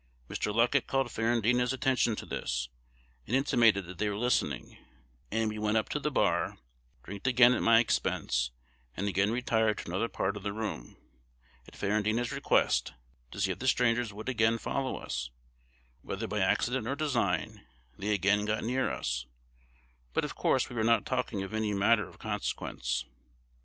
Mr. Luckett called Ferrandina's attention to this, and intimated that they were listening; and we went up to the bar, drinked again at my expense, and again retired to another part of the room, at Ferrandina's request, to see if the strangers would again follow us: whether by accident or design, they again got near us; but of course we were not talking of any matter of consequence.